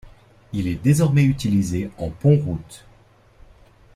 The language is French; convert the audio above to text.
Il est désormais utilisé en pont-route.